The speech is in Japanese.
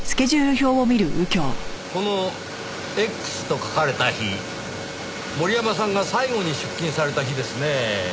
この「Ｘ」と書かれた日森山さんが最後に出勤された日ですねぇ。